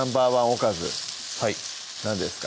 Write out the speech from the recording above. おかず何ですか？